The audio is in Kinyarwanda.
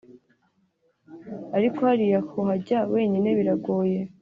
ariko hariya kuhajya wenyine biragoye…